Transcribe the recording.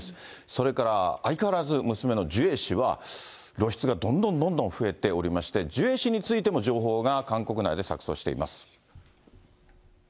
それから相変わらず娘のジュエ氏は露出がどんどんどんどん増えておりまして、ジュエ氏についても、情報が韓国内で錯そうしています。